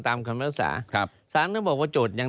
ตามคำพิวักษาศาลก็บอกว่าโจทย์ยัง